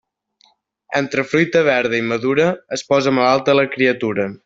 Entre fruita verda i madura, es posa malalta la criatura.